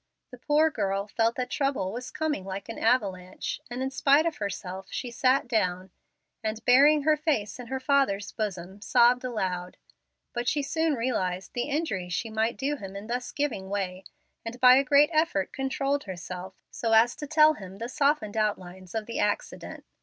The poor girl felt that trouble was coming like an avalanche, and in spite of herself she sat down, and, burying her face in her father's bosom, sobbed aloud. But she soon realized the injury she might do him in thus giving way, and by a great effort controlled herself so as to tell him the softened outlines of the accident.